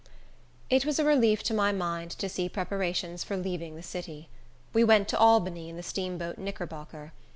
It was a relief to my mind to see preparations for leaving the city. We went to Albany in the steamboat Knickerbocker.